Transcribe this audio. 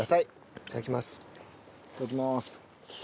いただきます。